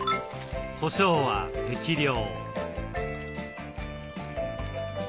こしょうは適量。